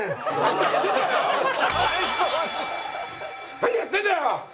何やってんだよ！